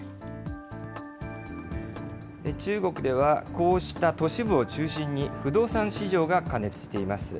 中国ではこうした都市部を中心に、不動産市場が過熱しています。